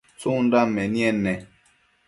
tsundan menied ne?